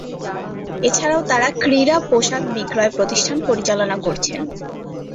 এছাড়াও তারা ক্রীড়া পোশাক বিক্রয় প্রতিষ্ঠান পরিচালনা করছেন।